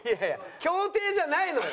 競艇じゃないのよ。